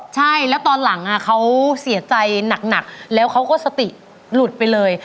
ใช่แล้วตอนหลังเขาเสียใจหนักแล้วเขาก็สติหลุดไปเลย